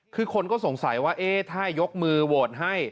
คือคนก็สงสัยว่าถ้ายกมือโหวตให้